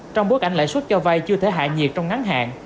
trong bức ảnh lại xuất cho vai chưa thể hạ nhiệt trong ngắn hạn